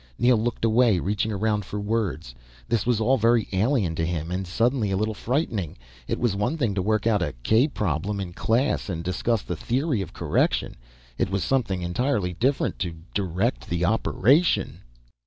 Neel looked away, reaching around for words. This was all very alien to him and suddenly a little frightening. It was one thing to work out a k problem in class, and discuss the theory of correction. It was something entirely different to direct the operation.